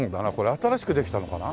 新しくできたのかな？